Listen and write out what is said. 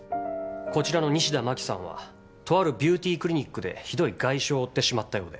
こちらの西田真紀さんはとあるビューティークリニックでひどい外傷を負ってしまったようで。